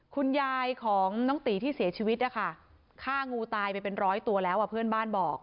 คุณยายของน้องตีที่เสียชีวิตนะคะฆ่างูตายไปเป็นร้อยตัวแล้วเพื่อนบ้านบอก